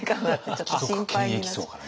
ちょっと心配になっちゃう。